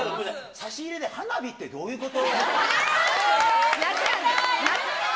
差し入れで花火ってどういうこと？